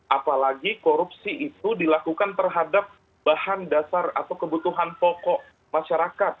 apalagi korupsi itu dilakukan terhadap bahan dasar atau kebutuhan pokok masyarakat